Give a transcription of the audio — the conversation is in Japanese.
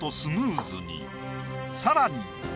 さらに。